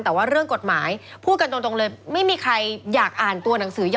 แต่ว่าเรื่องกฎหมายพูดกันตรงเลยไม่มีใครอยากอ่านตัวหนังสือ